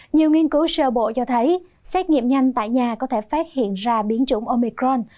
nhiều nghiên cứu sơ bộ cho thấy xét nghiệm nhanh tại nhà có thể phát hiện ra biến chủng omicron